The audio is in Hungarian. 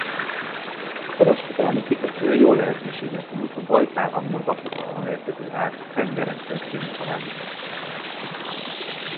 A kereskedelmi kikötő jó lehetőséget nyújt a Bajkál–Amur-vasútvonalon érkező áruk tengeren történő továbbítására.